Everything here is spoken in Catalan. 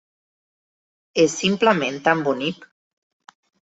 És simplement tan bonic.